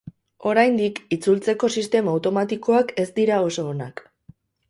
Oraindik itzultzeko sistema automatikoak ez dira oso onak.